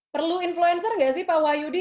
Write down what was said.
perlu influencer nggak sih pak wahyudi